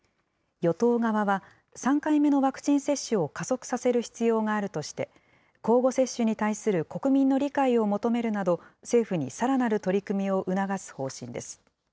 与党側は、３回目のワクチン接種を加速させる必要があるとして、交互接種に対する国民の理解を求めるなど、政府にさらなる取り組みを促す方針です。